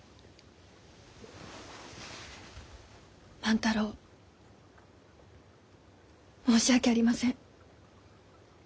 万太郎申し訳ありません。